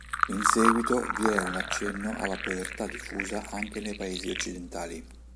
In seguito vi è un accenno alla povertà diffusa anche nei paesi occidentali.